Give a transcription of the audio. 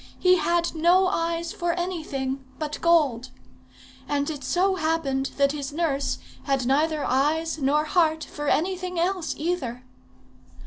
He had no eyes for anything but gold. And it so happened that his nurse had neither eyes nor heart for anything else either.